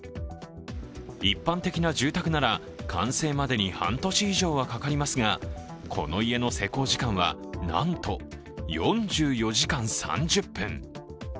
一般的な住宅なら完成までに半年以上かかりますがこの家の施工時間は、なんと４４時間３０分。